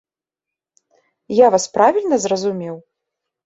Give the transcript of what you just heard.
Я вас правільна зразумеў?